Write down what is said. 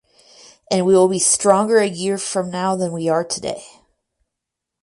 And we will be stronger a year from now than we are today.